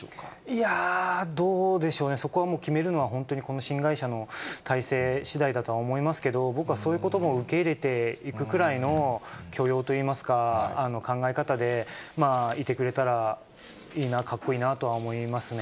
いやー、どうでしょうね、そこはもう決めるのは、本当にこの新会社の体制しだいだとは思いますけど、僕はそういうことも受け入れていくくらいの許容といいますか、考え方で、いてくれたらいいな、かっこいいなとは思いますね。